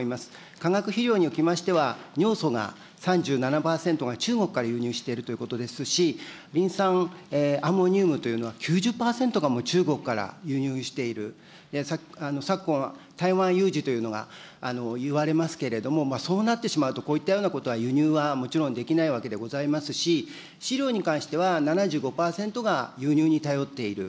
化学肥料におきましては、尿素が、３７％が中国から輸入しているということですし、リン酸アンモニウムというのは９０％がもう、中国から輸入している、昨今、台湾有事というのがいわれますけれども、そうなってしまうと、こういったようなことは、輸入はもちろんできないわけでございますし、飼料に関しては、７５％が輸入に頼っている。